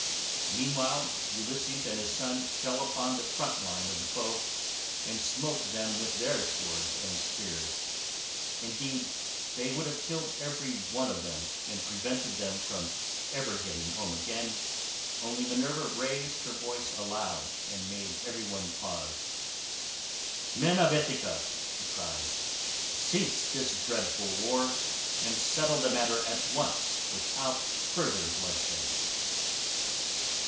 Meantime Ulysses and his son fell upon the front line of the foe and smote them with their swords and spears; indeed, they would have killed every one of them, and prevented them from ever getting home again, only Minerva raised her voice aloud, and made every one pause. "Men of Ithaca," she cried, "cease this dreadful war, and settle the matter at once without further bloodshed."